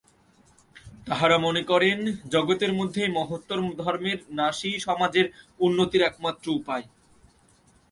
তাঁহারা মনে করেন, জগতের মধ্যে এই মহত্তর ধর্মের নাশই সমাজের উন্নতির একমাত্র উপায়।